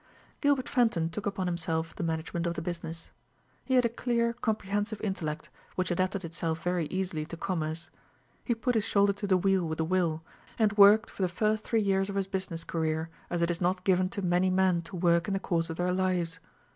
Gilbert Fenton took upon himself the management of the business. He had a clear comprehensive intellect, which adapted itself very easily to commerce. He put his shoulder to the wheel with a will, and worked for the first three years of his business career as it is not given to many men to work in the course of their lives.